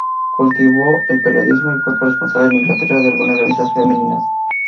Cultivó el periodismo y fue corresponsal en Inglaterra de algunas revistas femeninas.